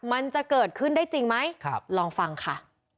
มันจะเกิดขึ้นได้จริงไหมลองฟังค่ะ